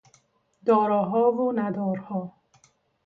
داراها و ندارها